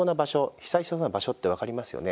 被災しそうな場所って分かりますよね。